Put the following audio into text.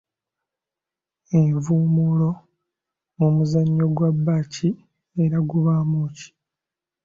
Envuumuulo muzannyo gwa baki era gubaamu ki?